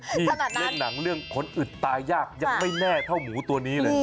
นี่เล่นหนังเรื่องคนอึดตายยากยังไม่แน่เท่าหมูตัวนี้เลย